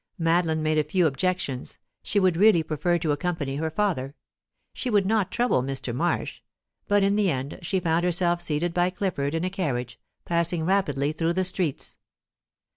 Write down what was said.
Madeline made a few objections she would really prefer to accompany her father; she would not trouble Mr. Marsh but in the end she found herself seated by Clifford in a carriage, passing rapidly through the streets.